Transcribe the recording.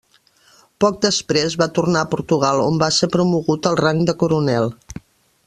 Poc després va tornar a Portugal on va ser promogut al rang de coronel.